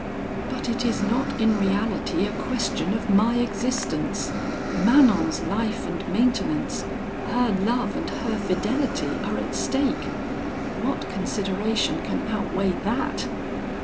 "'But it is not in reality a question of my existence! Manon's life and maintenance, her love and her fidelity, are at stake! What consideration can outweigh that?